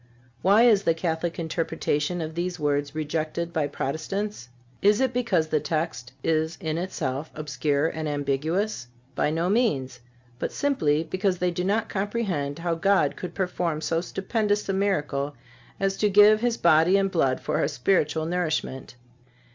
Why is the Catholic interpretation of these words rejected by Protestants? Is it because the text is in itself obscure and ambiguous? By no means; but simply because they do not comprehend how God could perform so stupendous a miracle as to give His body and blood for our spiritual nourishment.